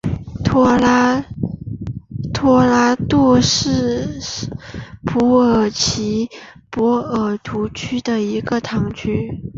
托拉杜什是葡萄牙波尔图区的一个堂区。